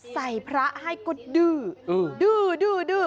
ใส่พระให้ก็ดื้อดื้อ